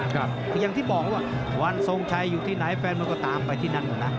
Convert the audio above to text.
คืออย่างที่บอกว่าวันทรงชัยอยู่ที่ไหนแฟนมวยก็ตามไปที่นั่นหมดนะ